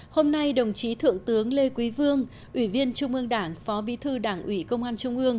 hôm nay đồng chí thượng tướng lê quý vương ủy viên trung ương đảng phó bí thư đảng ủy công an trung ương